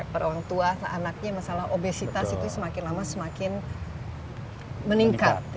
orang tua anaknya masalah obesitas itu semakin lama semakin meningkat